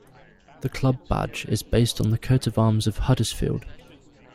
The club badge is based on the coat of arms of Huddersfield.